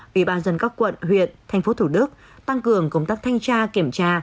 ủy ban nhân dân các quận huyện tp hcm tăng cường công tác thanh tra kiểm tra